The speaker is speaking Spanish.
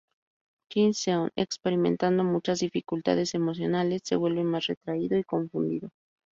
Jin-Seong, experimentando muchas dificultades emocionales, se vuelve más retraído y confundido.